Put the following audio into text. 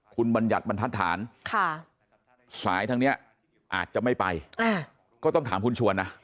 คุณบัญญัติบรรทัศน์สายทางนี้อาจจะไม่ไปก็ต้องถามคุณชวนนะ